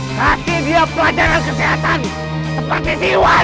nanti dia pelajaran kesehatan